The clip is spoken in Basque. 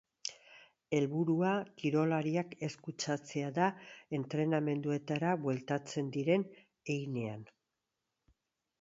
Helburua kirolariak ez kutsatzea da entrenamenduetara bueltatzen diren heinean.